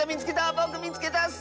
ぼくみつけたッス！